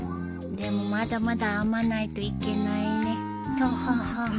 でもまだまだ編まないといけないねとほほ